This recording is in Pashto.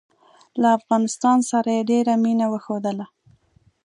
له افغانستان سره یې ډېره مینه وښودله.